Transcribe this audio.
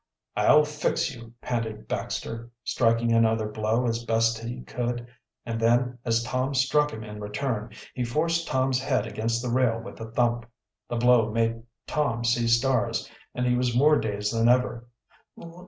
"I'll fix you!" panted Baxter, striking another blow as best he could, and then, as Tom struck him in return, he forced Tom's head against the rail with a thump. The blow made Tom see stars and he was more dazed than ever.